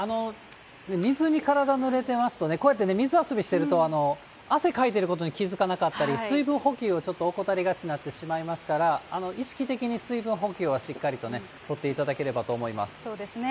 水に体ぬれてますとね、こうやって水遊びしてると、汗かいていることに気付かなかったり、水分補給をちょっと怠りがちになってしまいますから、意識的に水分補給はしっかりとね、とっていたそうですね。